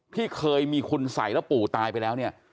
ที่เคยมีคุณสัยแล้วปู่ตายไปแล้วเนี่ย